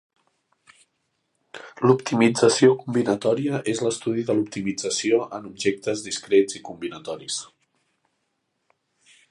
L'optimització combinatòria és l'estudi de l'optimització en objectes discrets i combinatoris.